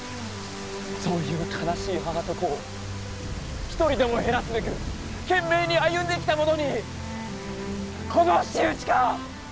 そういう悲しい母と子を一人でも減らすべく懸命に歩んできた者にこの仕打ちか！？